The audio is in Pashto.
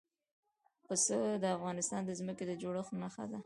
پسه د افغانستان د ځمکې د جوړښت نښه ده.